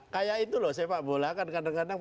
kayak itu loh sepak bola kan kadang kadang